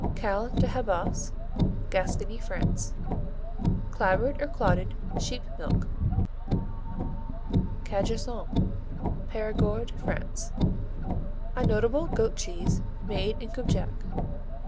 Caille de Habas Gascony, France Clabbered or clotted sheep milk. Cajassou Périgord, France A notable goat cheese made in Cubjac.